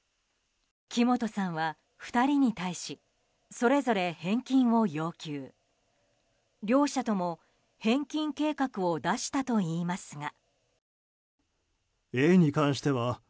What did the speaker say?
木本さんは２人に対しそれぞれ返金を要求。両者とも返金計画を出したといいますが。